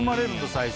最初。